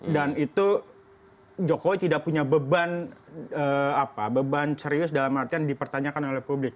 dan itu jokowi tidak punya beban serius dalam artian dipertanyakan oleh publik